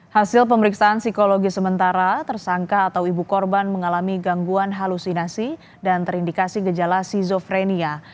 hasil pemeriksaan psikologi sementara tersangka atau ibu korban mengalami gangguan halusinasi dan terindikasi gejala skizofrenia